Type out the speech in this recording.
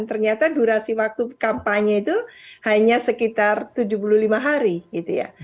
ternyata durasi waktu kampanye itu hanya sekitar tujuh puluh lima hari gitu ya